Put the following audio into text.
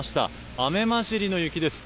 雨交じりの雪です。